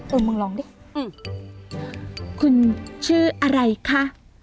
เออมึงลองดิอืมคุณชื่ออะไรค่ะ